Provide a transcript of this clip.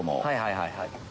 はいはいはいはい。